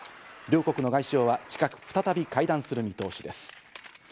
両国の外相は近く再び会談する見通しです。